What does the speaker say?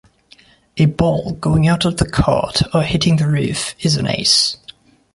A ball going out of the court or hitting the roof is an ace.